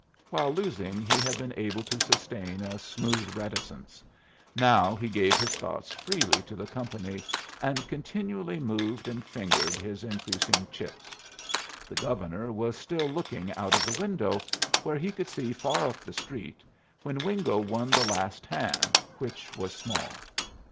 While losing he had been able to sustain a smooth reticence; now he gave his thoughts freely to the company, and continually moved and fingered his increasing chips. The Governor was still looking out of the window, where he could see far up the street, when Wingo won the last hand, which was small.